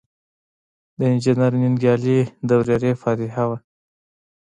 د انجنیر ننګیالي د ورېرې فاتحه وه.